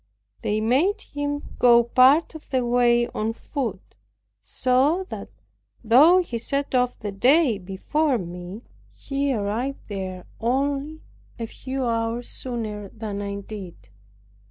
They made him go part of the way on foot, so that, though he set off the day before me, he arrived there only a few hours sooner than I did.